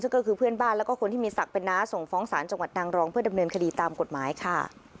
ซึ่งก็คือเพื่อนบ้านแล้วก็คนที่มีศักดิ์เป็นน้าส่งฟ้องศาลจังหวัดนางรองเพื่อดำเนินคดีตามกฎหมายค่ะ